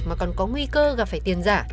mà còn có nguy cơ gặp phải tiền giả